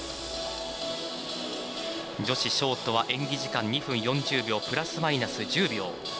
女子ショートは演技時間２分４０秒プラスマイナス１０秒。